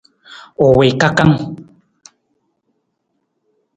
U wii kakang.